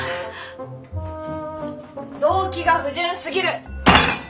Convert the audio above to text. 動機が不純すぎる！